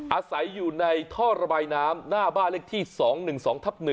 อาศัยอยู่ในท่อระบายน้ำหน้าบ้านเลขที่๒๑๒ทับ๑